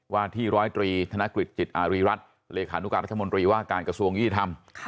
ว่าที่ร้อยตรีธนกฤษจิตอารีรัฐเลขานุการรัฐมนตรีว่าการกระทรวงยุติธรรม